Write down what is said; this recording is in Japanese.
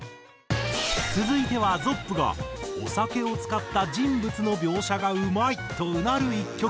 続いてはｚｏｐｐがお酒を使った人物の描写がうまいとうなる１曲。